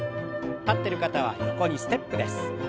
立ってる方は横にステップです。